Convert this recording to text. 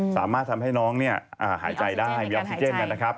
สามารถทำให้น้องหายใจได้มีออกซิเจนนะครับ